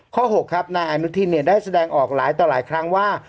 ข้อ๖ครับนายอนุทินเนี่ยได้แสดงออกหลายต่อหลายครั้งว่า